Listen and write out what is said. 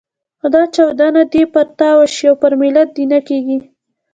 خو دا چاودنه دې پر تا وشي او پر ملت دې نه کېږي.